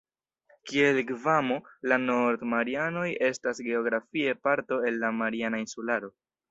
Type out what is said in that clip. Kiel Gvamo, la Nord-Marianoj estas geografie parto el la Mariana insularo.